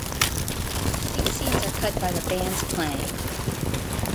These scenes are cut by the band's playing.